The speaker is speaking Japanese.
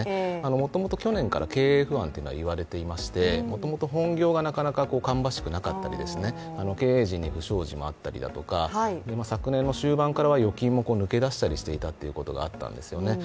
もともと去年から経営不安っていうのは言われていましてもともと本業がなかなかかんばしくなかったり経営陣に不祥事もあったりだとか昨年の終盤からは預金も抜け出していたということがあったんですよね